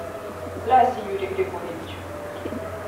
Здрасте, Юрий Григорьевич.